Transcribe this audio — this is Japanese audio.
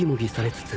つつ